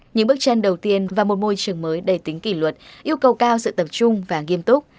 những bước chân đầu tiên và một môi trường mới đầy tính kỷ luật yêu cầu cao sự tập trung và nghiêm túc